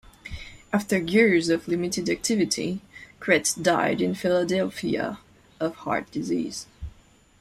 After years of limited activity, Cret died in Philadelphia of heart disease.